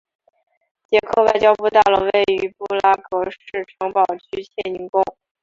捷克外交部大楼位于布拉格市城堡区切宁宫。